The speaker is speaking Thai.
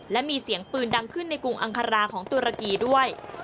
และมีเสียงปืนดังขึ้นในกรุงอังคาราของตุรกีด้วย